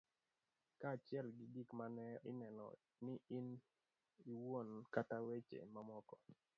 kaachiel gi gik ma ne ineno in iwuon kata weche mamoko